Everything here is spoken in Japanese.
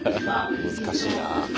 難しいなぁ。